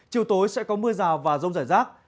chiều tối sẽ có mưa rào và rông rải rác